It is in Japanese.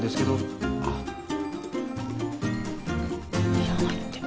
いらないって？